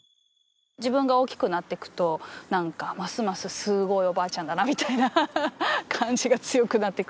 自分が大きくなってくと、なんか、ますますすごいおばあちゃんだなみたいな感じが強くなってく。